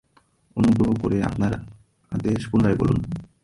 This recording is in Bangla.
অনুগ্রহ করে আপনার আদেশ পুনরায় বলুন।